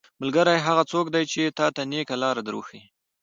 ملګری هغه څوک دی چې تاته نيکه لاره در ښيي.